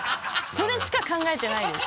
それしか考えてないです。